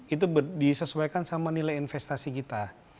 itu disesuaikan sama nilai investasi kita